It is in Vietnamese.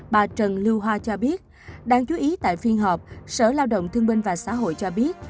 bà trần lưu hoa cho biết đáng chú ý tại phiên họp sở lao động thương binh và xã hội cho biết